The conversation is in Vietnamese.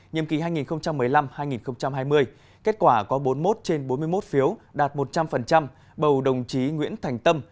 nhiệm kỳ hai nghìn một mươi năm hai nghìn hai mươi kết quả có bốn mươi một trên bốn mươi một phiếu đạt một trăm linh bầu đồng chí nguyễn thành tâm